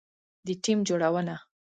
د ټیم جوړونه